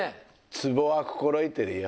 ツボは心得てるよ。